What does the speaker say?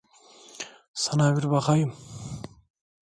Sana bir bakayım.